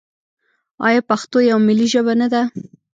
آیا پښتو یوه ملي ژبه نه ده؟